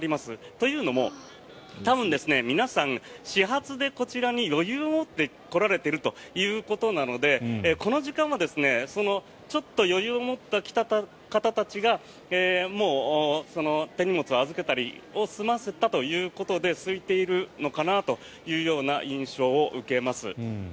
というのも多分、皆さん始発でこちらに余裕を持って来られているということなのでこの時間はちょっと余裕を持って来た方たちが手荷物を預けたりを済ませたということですいているのかなというような印象を受けます。